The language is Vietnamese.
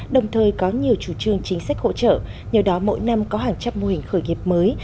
đồng thời có nhiều chủ trương chính sách hỗ trợ nhờ đó mỗi năm có hàng trăm mô hình khởi nghiệp mới